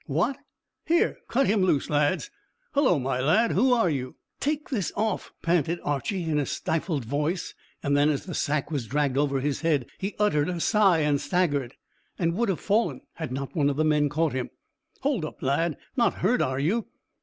"What? Here, cut him loose, lads. Hullo, my lad, who are you?" "Take this off," panted Archy in a stifled voice; and then, as the sack was dragged over his head, he uttered a sigh, and staggered, and would have fallen, had not one of the men caught him. "Hold up, lad. Not hurt, are you?"